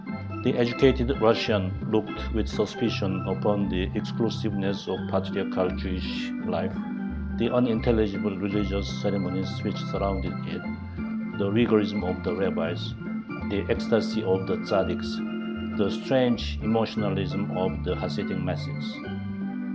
The educated Russian looked with suspicion upon the exclusiveness of patriarchal Jewish life, the unintelligible religious ceremonies which surrounded it, the rigorism of the rabbis, the ecstasy of the Tzaddiks, the strange emotionalism of the Hasidic masses.